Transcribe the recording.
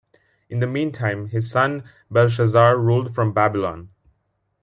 In the meantime, his son Belshazzar ruled from Babylon.